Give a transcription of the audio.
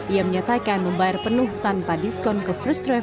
ia menyatakan membayar penuh tanpa diskusi